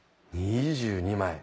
２２枚！